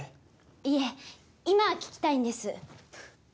いえ今聞きたいんですふっ